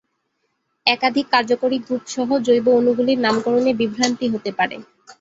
একাধিক কার্যকরী গ্রুপ সহ জৈব অণুগুলির নামকরণে বিভ্রান্তি হতে পারে।